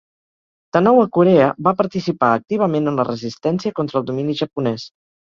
De nou a Corea, va participar activament en la resistència contra el domini japonès.